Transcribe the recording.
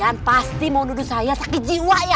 kan pasti mau nuduh saya sakit jiwa ya